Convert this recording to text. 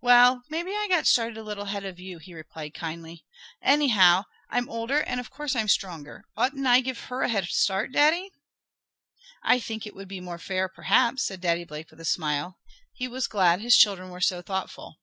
"Well, maybe I got started a little ahead of you," he replied kindly. "Anyhow, I'm older and of course I'm stronger. Oughtn't I give her a head start, Daddy?" "I think it would be more fair, perhaps," said Daddy Blake with a smile. He was glad his children were so thoughtful.